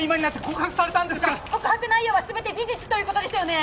告白内容は全て事実という事ですよね？